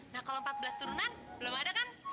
nah kalau empat belas turunan belum ada kan